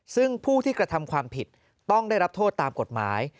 ซึ่งผู้ที่กระทำความผิดต้องได้รับโทษตามกฎหมาย